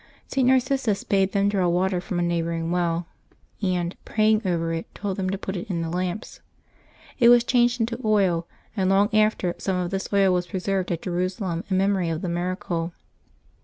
St. Narcissus bade them draw water from a neighboring well, and, praying over it, told them to put it in the lamps. It was changed into oil, and long after some of this oil was preserved at Jeru salem in memory of the miracle.